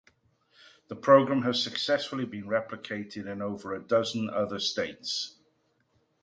The program has successfully been replicated in over a dozen other states.